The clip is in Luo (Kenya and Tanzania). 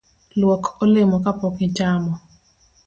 Luok olemo kapok ichamo